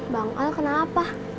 bang al kenapa